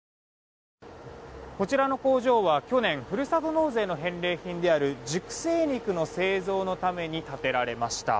こちらの工場は去年ふるさと納税の返礼品である熟成肉の製造のために建てられました。